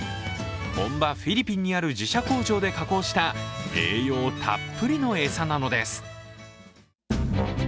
本場・フィリピンにある自社工場で加工した、栄養たっぷりの餌なのです。